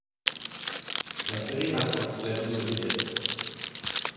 La série raconte la vie de Bridget.